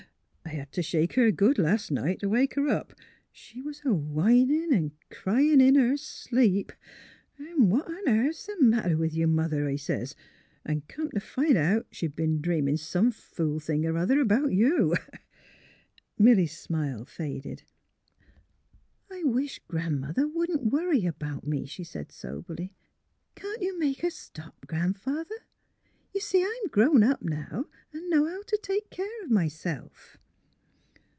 I had t' shake her good las' night t' wake her up. She was a whinin' an' cryin' in her sleep. ' What on airth 's the matter with you. Mother? ' I sez. An' come t' find out she'd b'en dreamin' some fool thing er other 'bout you." Milly 's smile faded. ^' I wish Gran 'mother wouldn't worry about me," she said, soberly. —'' Can't you make her stop, Gran 'father? You see, I'm grown up, now,, and know how to take care of myself.